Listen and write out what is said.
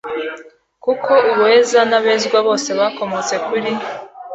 Kuko uweza n abezwa bose bakomotse kuri